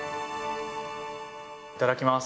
いただきます！